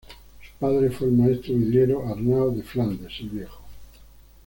Su padre fue el maestro vidriero Arnao de Flandes el Viejo.